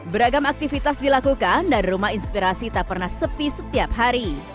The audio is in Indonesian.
beragam aktivitas dilakukan dan rumah inspirasi tak pernah sepi setiap hari